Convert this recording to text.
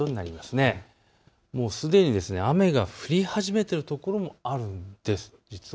すでに雨が降り始めているところもあるんです。